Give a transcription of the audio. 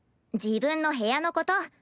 自分の部屋のこと。